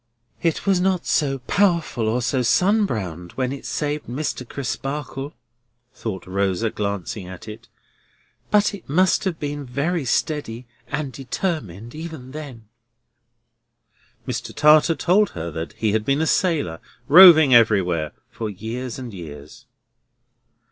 "It was not so powerful or so sun browned when it saved Mr. Crisparkle," thought Rosa, glancing at it; "but it must have been very steady and determined even then." Mr. Tartar told her he had been a sailor, roving everywhere for years and years.